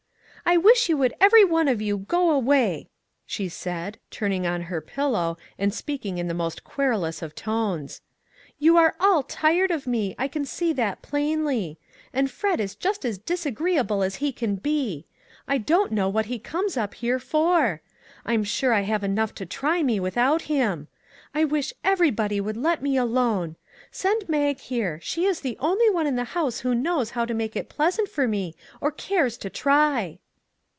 " I wish you would every one of you go away," she said, turning on her pillow and speaking in the most querulous of tones, " you are all tired of me, I can see that plainly; and Fred is just as disagreeable as he can be; I don't know what he comes up here for; I am sure I have enough to try me without him. I wish everybody would let me alone; send Mag here; she is the only one in the house who knows how to make it pleasant for me or cares to try."